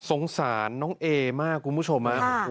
สงสารน้องเอมากคุณผู้ชม